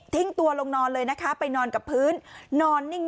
ทิ้งตัวลงนอนเลยนะคะไปนอนกับพื้น